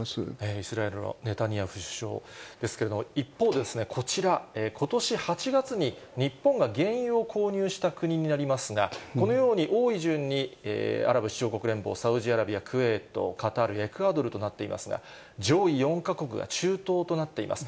イスラエルのネタニヤフ首相ですけれども、一方、こちら、ことし８月に、日本が原油を購入した国になりますが、このように多い順に、アラブ首長国連邦、サウジアラビア、クウェート、カタール、エクアドルとなっていますが、上位４か国が中東となっています。